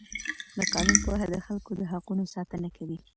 د قانون پوهه د خلکو د حقونو ساتنه کوي.